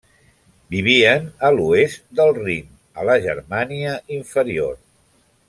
Vivien a l'oest del Rin, a la Germània Inferior.